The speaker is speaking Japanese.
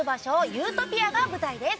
ユートピアが舞台です。